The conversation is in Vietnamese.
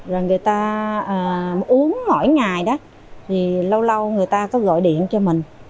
rồi người ta uống mỗi ngày đó thì lâu lâu người ta có gọi điện cho mình